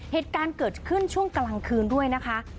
เหตุการณ์เกิดขึ้นช่วงกลางคืนด้วยนะคะ